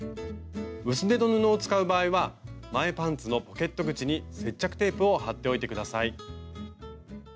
薄手の布を使う場合は前パンツのポケット口に接着テープを貼っておいて下さい。